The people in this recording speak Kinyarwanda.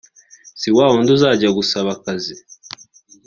si wa wundi uzajya gusaba akazi